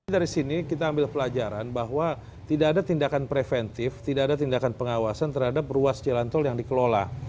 dari sini kita ambil pelajaran bahwa tidak ada tindakan preventif tidak ada tindakan pengawasan terhadap ruas jalan tol yang dikelola